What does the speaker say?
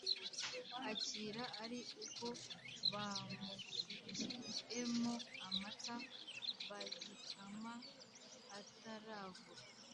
Akira ari uko bamusukiemo amata bagikama ataravura